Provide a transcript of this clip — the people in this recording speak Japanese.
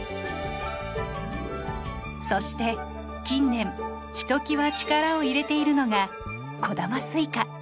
そして近年ひときわ力を入れているのが小玉スイカ。